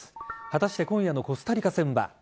果たして今夜のコスタリカ戦は。